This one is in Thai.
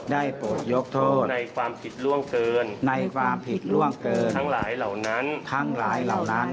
ปลดยกโทษในความผิดล่วงเกินในความผิดล่วงเกินทั้งหลายเหล่านั้นทั้งหลายเหล่านั้น